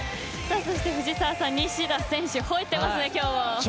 そして藤澤さん西田選手、ほえていますね今日。